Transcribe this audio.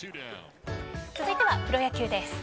続いてはプロ野球です。